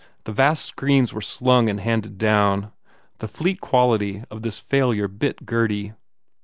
The vast screens Were slung and handed down. The fleet quality of this failure bit Gurdy.